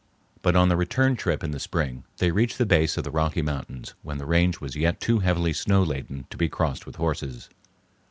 But on the return trip in the spring they reached the base of the Rocky Mountains when the range was yet too heavily snow laden to be crossed with horses.